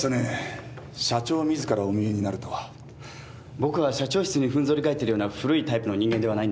僕は社長室にふんぞり返ってるような古いタイプの人間ではないんです。